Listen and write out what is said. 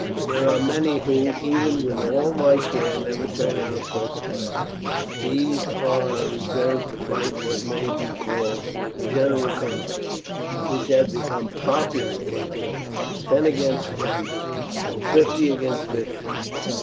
There are many who, even with all my care, never turn out first class. These are reserved to fight in what may be called general contests, which have become popular lately, ten against ten, or fifty against fifty.